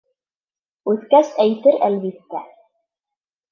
Үҫкәс, әйтер, әлбиттә.